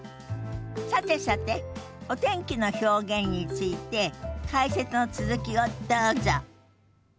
さてさてお天気の表現について解説の続きをどうぞ。